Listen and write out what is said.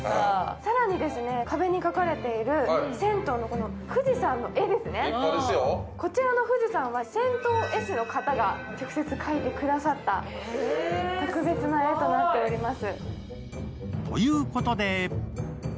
更に、壁に描かれている銭湯の富士山の絵ですね、こちらの富士山は銭湯絵師の方が直接描いてくださった特別な絵となっております。